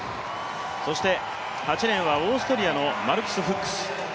そして８レーンはオーストリアのマルクス・フックス。